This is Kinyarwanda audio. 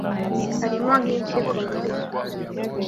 harimo nk’impyiko murizo